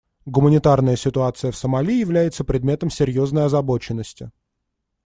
Гуманитарная ситуация в Сомали является предметом серьезной озабоченности.